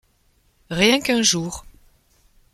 Rien qu’un jour !